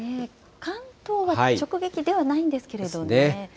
関東は直撃ではないんですけれどね。